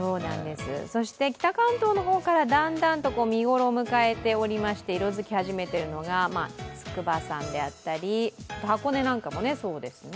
そして北関東の方からだんだんと見ごろを迎えていまして色づき始めているのが筑波山であったり、箱根なんかもそうですね。